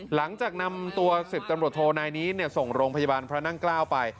หลังจากนำตัว๑๐จับบทโทรนายนี้เนี่ยส่งโรงพยาบาลพระนั่ง๙ไป